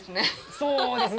そうですね。